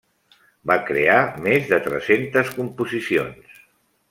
Va crear més de tres-centes composicions.